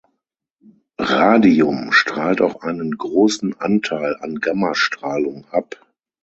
Radium strahlt auch einen großen Anteil an Gamma-Strahlung ab.